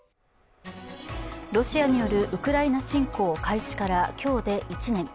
ロシアによるウクライナ侵攻開始から今日で１年。